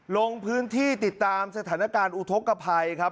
ลงพื้นที่ติดตามสถานการณ์อุทธกภัยครับ